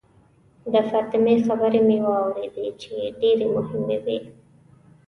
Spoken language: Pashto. د فاطمې خبرې مې واورېدې چې ډېرې مهمې وې.